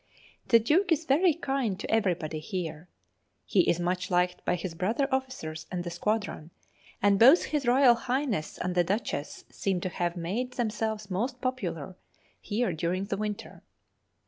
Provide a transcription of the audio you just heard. The Duke is very kind to everybody here. He is much liked by his brother officers in the squadron, and both H.R.H. and the Duchess seem to have made themselves most popular here during the winter.